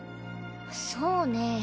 そうね。